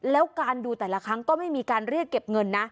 แล้วการดูแต่ละครั้งก็ไม่มีการเรียกเก็บเงินนะ